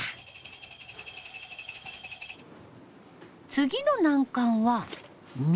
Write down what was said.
次の難関は水。